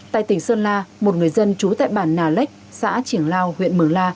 tại tỉnh sơn la một người dân trú tại bản nà lách xã triển lao huyện mường la